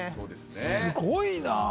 すごいな。